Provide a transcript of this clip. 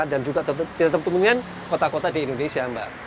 dan juga tetap di tempat tempat kota kota di indonesia mbak